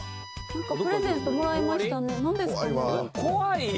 プレゼントもらいましたね